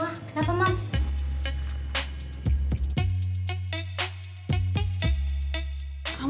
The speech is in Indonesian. wah wah kenapa mams